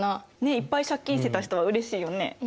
いっぱい借金してた人はうれしいよね。